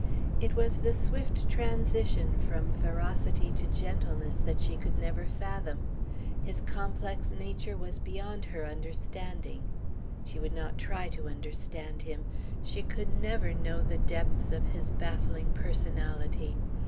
It was the swift transition from ferocity to gentleness that she could never fathom. His complex nature was beyond her understanding. She would not try to understand him; she could never know the depths of his baffling personality.